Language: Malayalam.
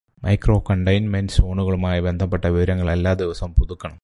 മൈക്രോ കണ്ടെയ്ൻമെന്റ് സോണുകളുമായി ബന്ധപ്പെട്ട വിവരങ്ങള് എല്ലാ ദിവസവും പുതുക്കണം.